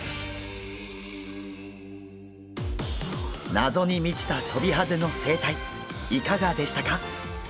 謎に満ちたトビハゼの生態いかがでしたか？